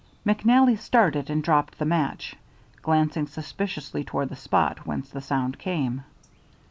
McNally started and dropped the match, glancing suspiciously toward the spot whence the sound came.